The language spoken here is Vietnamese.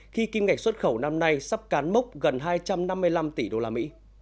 khi kim ngạch xuất khẩu năm nay sắp cán mốc gần hai trăm năm mươi năm tỷ usd